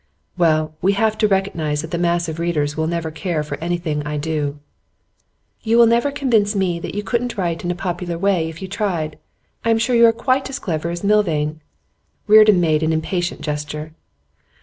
'Well, we have to recognise that the mass of readers will never care for anything I do.' 'You will never convince me that you couldn't write in a popular way if you tried. I'm sure you are quite as clever as Milvain ' Reardon made an impatient gesture.